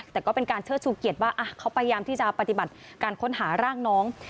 แต่ก็เป็นการเชิดชูเกียรติว่าเขาพยายามที่จะปฏิบัติการค้นหาร่างน้อง